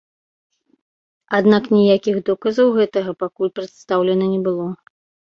Аднак ніякіх доказаў гэтага пакуль прадстаўлена не было.